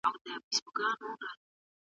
څېړونکی د متن قوتونه څنګه پېژني؟